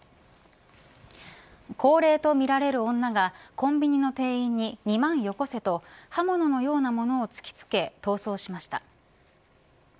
高齢とみられる女がコンビニの店員に２万よこせと刃物のようなものを突き付け逃走しました。